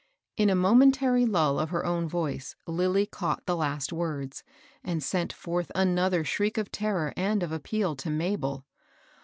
In a momentary lull of her own voice, Lilly caught the last words, and sent forth another shriek of terror and of appeal to Mabel.